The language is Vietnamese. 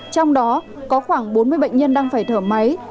trong đó có khoảng bốn mươi bệnh nhân đang phải thở máy